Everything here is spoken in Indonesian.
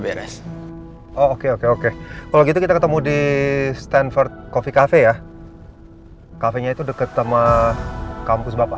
beres oke oke oke kalau gitu kita ketemu di standford coffee cafe ya kafenya itu dekat sama kampus bapak